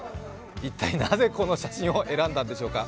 一体なぜこの写真を選んだんでしょうか？